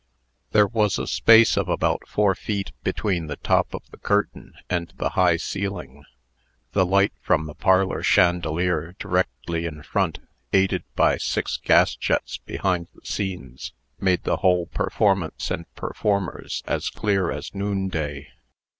There was a space of about four feet between the top of the curtain and the high ceiling. The light from the parlor chandelier directly in front, aided by six gas jets behind the scenes, made the whole performance and performers as clear as noonday.